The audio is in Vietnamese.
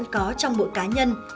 có trong mỗi cá nhân